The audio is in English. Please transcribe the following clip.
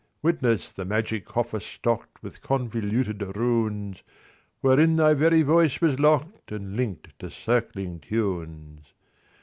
Witness the magic coffer stockedWith convoluted runesWherein thy very voice was lockedAnd linked to circling tunes.